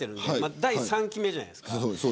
第３期目じゃないですか。